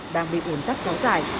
đang bị ủn tắc có dài